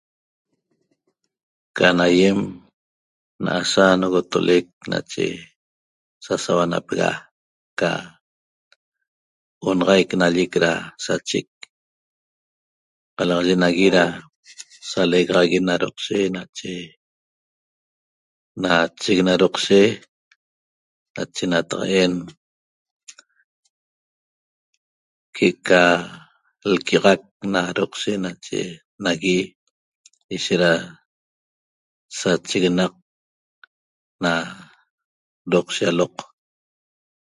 Can aýem n'asa nogotolec nache sa sauanapega ca onaxaic nallec da sachec qalaxaye nagui da salegaxaguet na Doqshe nache na chec na Doqshe nache nataq'en que'eca lquiaxac na Doqshe nache nagui ishet da sacheguenaq na Doqshe aloq